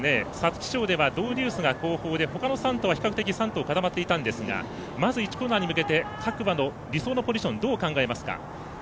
皐月賞ではドウデュースが後方でそのほか比較的３頭固まっていたんですが１コーナーに向かって各馬の理想のポジションどう考えますか。